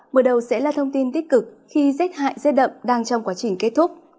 mở đầu sẽ là thông tin tích cực khi dết hại dết đậm đang trong quá trình kết thúc